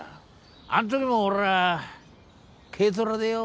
あんときもおら軽トラでよ